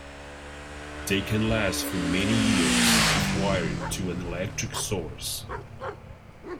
They can last for many years if wired to an electric source.